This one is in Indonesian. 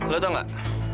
lu tau gak